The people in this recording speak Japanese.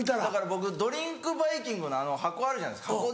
だから僕ドリンクバイキングのあの箱あるじゃないですか。